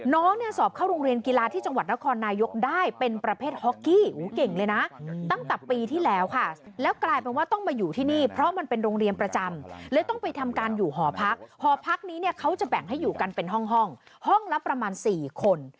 น้องเนี่ยสอบเข้าโรงเรียนกีฬาที่จังหวัดนครนายกได้เป็นประเภทฮอกกี้อเก่งเลยนะตั้งแต่ปีที่แล้วค่ะแล้วกลายเป็นว่าต้องมาอยู่ที่นี่เพราะมันเป็นโรงเรียนประจำเลยต้องไปทำการอยู่หอพักหอพักนี้เนี่ยเขาจะแบ่งให้อยู่กันเป็นห้องห้องละประมาณ๔คน